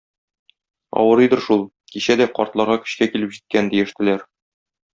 Авырыйдыр шул, кичә дә картларга көчкә килеп җиткән, - диештеләр.